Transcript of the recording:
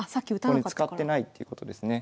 ここに使ってないっていうことですね。